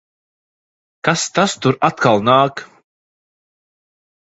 Kas tas tur atkal nāk?